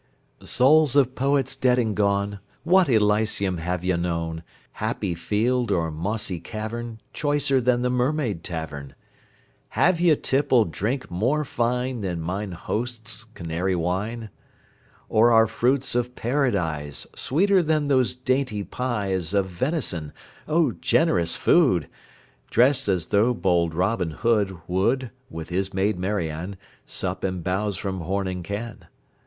Souls of Poets dead and gone, What Elysium have ye known, Happy field or mossy cavern, Choicer than the Mermaid Tavern? Have ye tippled drink more fine Than mine host's Canary wine? Or are fruits of Paradise Sweeter than those dainty pies Of venison? O generous food! Drest as though bold Robin Hood 10 Would, with his maid Marian, Sup and bowse from horn and can.